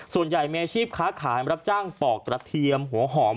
ส่วนใหญ่มีอาชีพค้าขายรับจ้างปอกกระเทียมหัวหอม